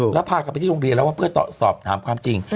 แล้วพากลับไปที่โรงเรียนแล้วว่าเพื่อสอบถามความจริง